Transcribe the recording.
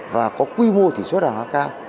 và có quy mô thủy xuất hóa cao